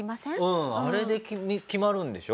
うんあれで決まるんでしょ？